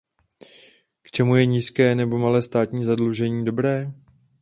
K čemu je nízké nebo malé státní zadlužení dobré?